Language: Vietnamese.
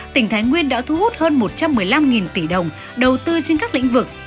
tỉnh thái nguyên đã thu hút hơn một trăm một mươi năm tỷ đồng đầu tư trên các lĩnh vực